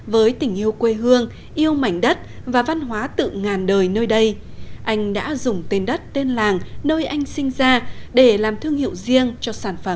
với tình yêu quê hương yêu mảnh đất và văn hóa tự ngàn đời nơi đây anh đã dùng tên đất tên làng nơi anh sinh ra để làm thương hiệu riêng cho sản phẩm